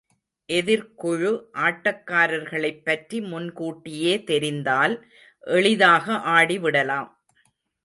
எதிர்க்குழு ஆட்டக்காரர்களைப்பற்றி முன் கூட்டியே தெரிந்தால் எளிதாக ஆடிவிடலாம்.